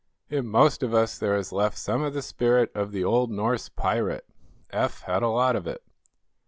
In most of us there is left some of the spirit of the old Norse pirate; Eph had a lot of it.